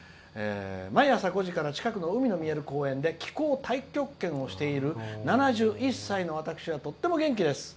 「毎朝５時から近くの海の見える公園で気孔太極拳をしている７１歳の私は、とっても元気です。